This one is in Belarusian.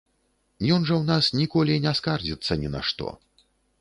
Ён жа ў нас ніколі не скардзіцца ні на што.